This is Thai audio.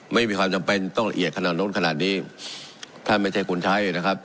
ไม่มีความจำเป็นต้องละเอียดขนาดนู้นขนาดนี้ท่านไม่ใช่คนใช้นะครับ